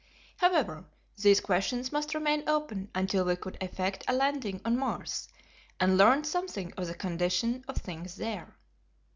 However, these questions must remain open until we could effect a landing on Mars, and learn something of the condition of things there.